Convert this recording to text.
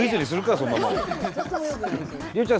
そんなもん。